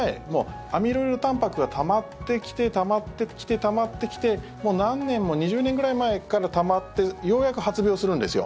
アミロイドたんぱくがたまってきて、たまってきてたまってきてもう何年も２０年ぐらい前からたまってようやく発病するんですよ。